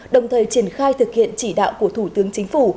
đồng thời triển khai thực hiện chỉ đạo của thủ tướng chính phủ